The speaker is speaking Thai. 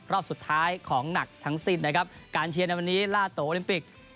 รอบสุดท้ายของหนักทั้งสิ้นนะครับการเชียร์ในวันนี้ล่าโตโอลิมปิก